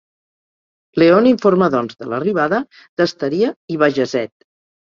Leone informa doncs de l'arribada d'Asteria i Bajazet.